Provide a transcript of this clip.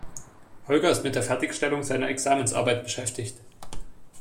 Holger ist mit der Fertigstellung seiner Examensarbeit beschäftigt.